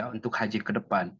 untuk haji ke depan